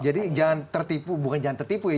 jadi jangan tertipu bukan jangan tertipu ya